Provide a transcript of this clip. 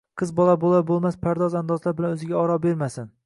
Qiz bola bo‘lar-bo‘lmas pardoz- andozlar bilan o‘ziga oro bermasin.